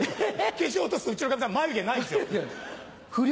化粧落とすとうちのかみさん眉毛ないんですよ。不良？